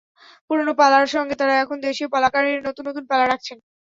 পুরোনো পালার সঙ্গে তাঁরা এখন দেশীয় পালাকারের নতুন নতুন পালা রাখছেন।